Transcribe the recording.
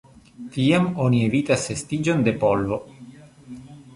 Tiam oni evitas estiĝon de polvo.